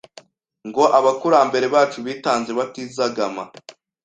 ngo abakurambere bacu bitanze batizagama